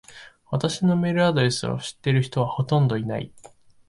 私のメールアドレスを知ってる人はほとんどいない。